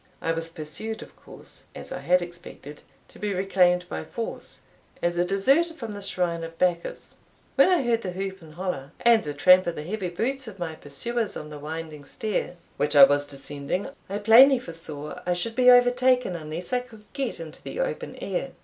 I was pursued, of course, as I had expected, to be reclaimed by force, as a deserter from the shrine of Bacchus. When I heard the whoop and hollo, and the tramp of the heavy boots of my pursuers on the winding stair which I was descending, I plainly foresaw I should be overtaken unless I could get into the open air.